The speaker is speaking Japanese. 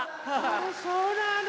へそうなの。